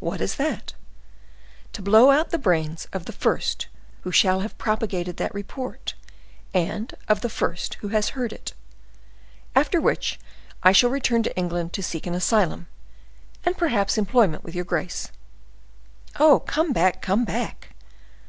"What is that?" "To blow out the brains of the first who shall have propagated that report, and of the first who has heard it. After which I shall return to England to seek an asylum, and perhaps employment with your grace." "Oh, come back! come back!"